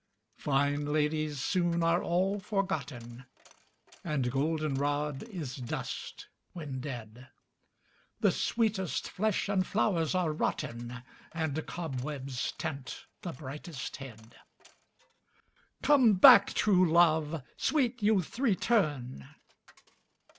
Fine ladies soon are all forgotten, And goldenrod is dust when dead, The sweetest flesh and flowers are rotten And cobwebs tent the brightest head. Come back, true love! Sweet youth, return!